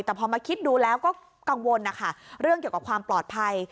แต่พอมาคิดดูแล้วก็กังวลนะคะเรื่องเกี่ยวกับความปลอดภัย